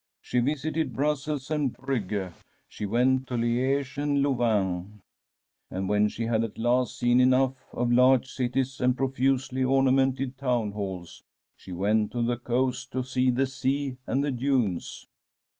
She visited Brussels and Bruges, she went to Liege and Louvain, and when she had at last seen enough of large cities and profusely ornamented town halls, she went to the coast to see the sea and the dunes.